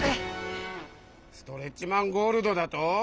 ストレッチマン・ゴールドだと？